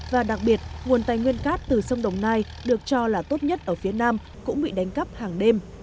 và đặc biệt nguồn tài nguyên cát từ sông đồng nai được cho là tốt nhất ở phía nam cũng bị đánh cắp hàng đêm